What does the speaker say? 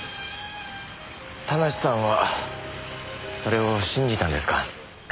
田無さんはそれを信じたんですか？